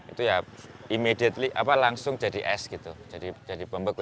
itu ya langsung jadi es gitu jadi pembeku